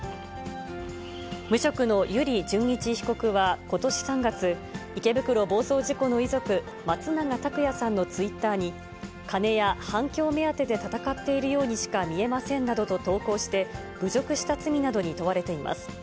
無職の油利潤一被告は、ことし３月、池袋暴走事故の遺族、松永拓也さんのツイッターに、金や反響目当てで戦っているようにしか見えませんなどと投稿して、侮辱した罪などに問われています。